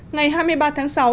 ngày hai mươi ba tháng sáu